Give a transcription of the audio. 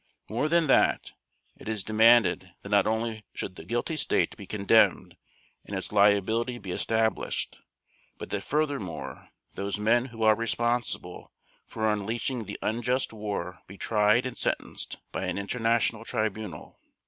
More than that, it is demanded that not only should the guilty State be condemned and its liability be established, but that furthermore those men who are responsible for unleashing the unjust war be tried and sentenced by an International Tribunal.